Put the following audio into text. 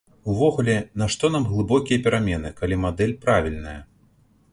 Увогуле, нашто нам глыбокія перамены, калі мадэль правільная?